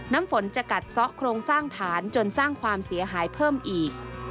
น้ำฝนจะกัดซ้อโครงสร้างฐานจนสร้างความเสียหายเพิ่มอีก